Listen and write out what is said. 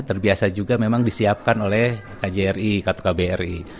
terbiasa juga memang disiapkan oleh kjri kartu kbri